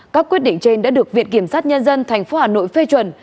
các quyết định trên đã được viện kiểm sát nhân dân tp hà nội phê chuẩn